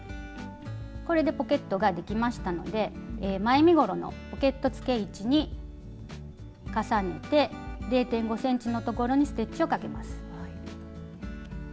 これでポケットができましたので前身ごろのポケットつけ位置に重ねて０．５ｃｍのところにステッチをかけます。